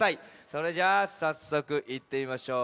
それじゃあさっそくいってみましょう。